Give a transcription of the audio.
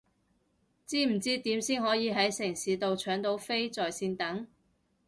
知唔知點先可以係城市到搶到飛在線等？